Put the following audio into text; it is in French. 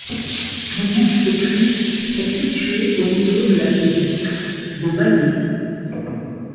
L'unique écluse est située au niveau de l'aqueduc de Maillé.